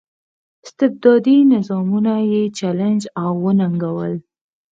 استبدادي نظامونه یې چلنج او وننګول.